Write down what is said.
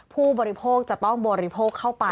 ผู้บริโภคจะต้องบริโภคเข้าไป